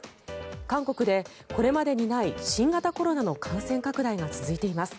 韓国でこれまでにない新型コロナの感染拡大が続いています。